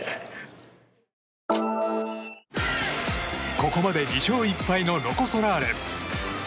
ここまで２勝１敗のロコ・ソラーレ。